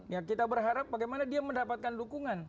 ya kita berharap bagaimana dia mendapatkan dukungan